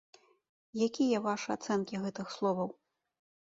Якія вашы ацэнкі гэтых словаў?